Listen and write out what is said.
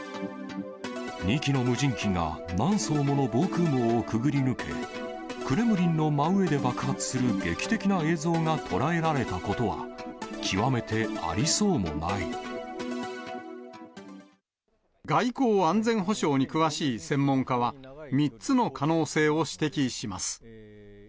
２機の無人機が何層もの防空網をくぐり抜け、クレムリンの真上で爆発する劇的な映像が捉えられたことは、外交・安全保障に詳しい専門家は、３つの可能性を指摘します。